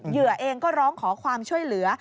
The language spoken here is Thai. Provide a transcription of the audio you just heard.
เหยื่อเองก็ร้องขอความช่วยเหลือ